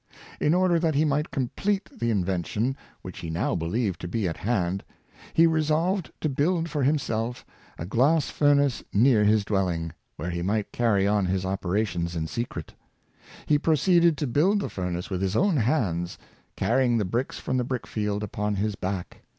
In order that he might complete the invention, which he now believed to be at hand, he resolved to build for himself a glass furnace near his dwelling, where he His Desperate Determination. 197 might carry on his operations in secret. He proceeded to build the furnace with his own hands, carrying the bricks from the brickfield upon his back.